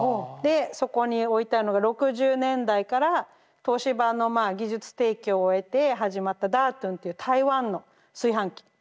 でそこに置いてあるのが６０年代から東芝の技術提供を得て始まったダートンっていう台湾の炊飯器。